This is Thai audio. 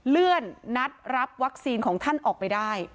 เลื่อนนัดรับวัคซีนของท่านออกไปได้